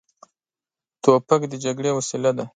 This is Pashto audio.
توپک د جګړې وسیله ده.